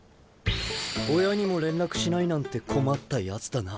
親にも連絡しないなんて困ったやつだな。